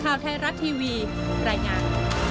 ข่าวไทยรัฐทีวีรายงาน